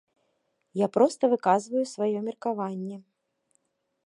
Я проста выказваю сваё меркаванне.